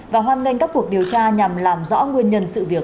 và hoan nghênh các cuộc điều tra nhằm làm rõ nguyên nhân sự việc